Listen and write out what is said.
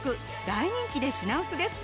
大人気で品薄です。